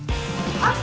あっ！